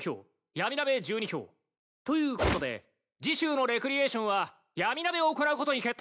ヤミナベ１２票。ということで次週のレクリエーションはヤミナベを行うことに決定した。